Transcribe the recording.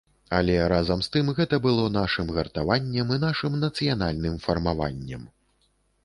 Але, разам з тым, гэта было нашым гартаваннем і нашым нацыянальным фармаваннем.